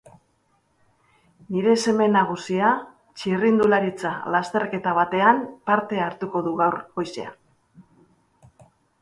Nire seme nagusia txirrindularitza lasterketa batean parte hartuko du gaur goizean.